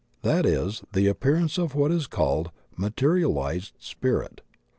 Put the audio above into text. That is the appearance of what is called a "materialized spirit."